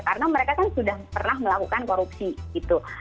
karena mereka kan sudah pernah melakukan korupsi gitu